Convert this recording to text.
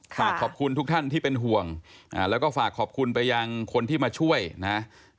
ฝากขอบคุณทุกท่านที่เป็นห่วงแล้วก็ฝากขอบคุณไปยังคนที่มาช่วยนะครับ